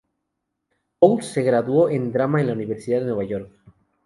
Bowles se graduó en Drama en la Universidad de Nueva York.